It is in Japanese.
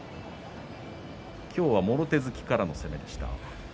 今日、もろ手突きからの攻めでした。